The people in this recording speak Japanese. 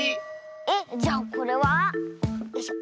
えっじゃあこれは？よいしょ。